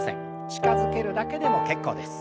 近づけるだけでも結構です。